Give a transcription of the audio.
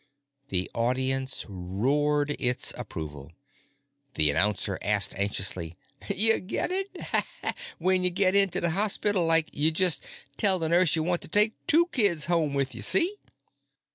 The audience roared its approval. The announcer asked anxiously, "Ya get it? When ya get inta the hospital, like, ya jus' tell the nurse ya want to take two kids home with you. See?"